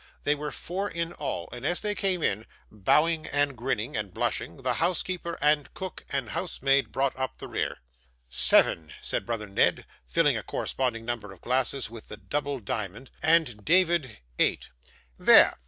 They were four in all, and as they came in, bowing, and grinning, and blushing, the housekeeper, and cook, and housemaid, brought up the rear. 'Seven,' said brother Ned, filling a corresponding number of glasses with the double diamond, 'and David, eight. There!